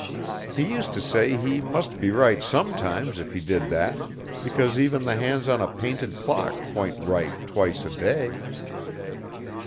He used to say he must be right sometimes if he did that, because even the hands on a painted clock point right twice a day.